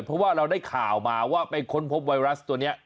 เพราะว่าเราได้ข่าวมาว่าไปค้นพบไวรัสตัวนี้